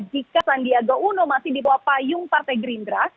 jika sandiaga uno masih di bawah payung partai gerindra